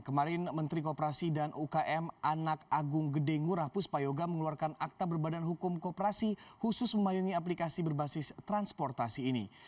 kemarin menteri kooperasi dan ukm anak agung gede ngurah puspayoga mengeluarkan akta berbadan hukum kooperasi khusus memayungi aplikasi berbasis transportasi ini